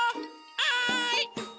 はい！